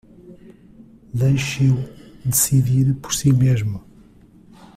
Deixe-o decidir por si mesmo